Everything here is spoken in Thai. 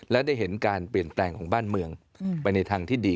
และได้เห็นการเปลี่ยนแปลงของบ้านเมืองไปในทางที่ดี